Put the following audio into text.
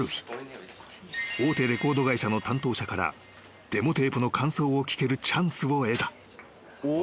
［大手レコード会社の担当者からデモテープの感想を聞けるチャンスを得た］